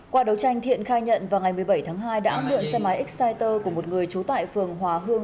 qua đấu tranh thiện khai nhận vào ngày một mươi bảy tháng hai đã mượn xe máy exciter của một người trú tại phường hòa hương